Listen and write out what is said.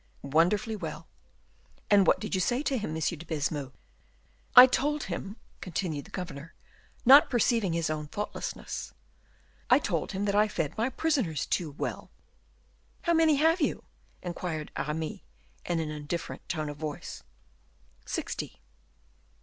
"Wonderfully well." "And what did you say to him, M. de Baisemeaux?" "I told him," continued the governor, not perceiving his own thoughtlessness; "I told him that I fed my prisoners too well." "How many have you?" inquired Aramis, in an indifferent tone of voice. "Sixty."